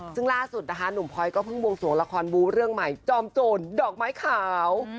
ซึ่งล่าสุดนะคะหนุ่มพลอยก็เพิ่งบวงสวงละครบูเรื่องใหม่จอมโจรดอกไม้ขาว